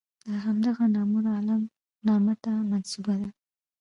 د همدغه نامور عالم نامه ته منسوبه ده.